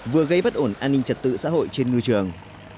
vừa gây bất ổn an ninh trật tự xã hội trên ngư trường